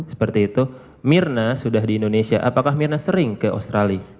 seperti itu mirna sudah di indonesia apakah mirna sering ke australia